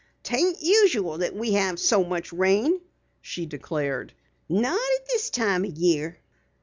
"'Tain't usual that we have so much rain," she declared. "Not at this time o' year.